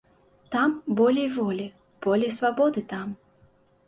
Там болей волі, болей свабоды там.